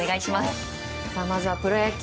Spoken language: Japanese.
まずはプロ野球。